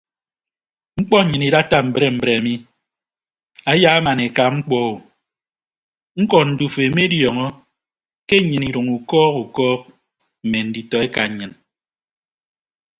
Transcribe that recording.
Mkpọ nnyịn idatta mbre mbre mi ayaaman eka mkpọ o ñkọ ndufo emediọñọ ke nnyịn idʌño ukọọk ukọọk mme nditọ eka nnyịn.